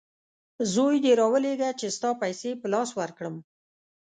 زوی دي راولېږه چې ستا پیسې په لاس ورکړم!